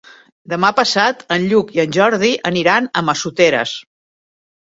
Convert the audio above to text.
Demà passat en Lluc i en Jordi aniran a Massoteres.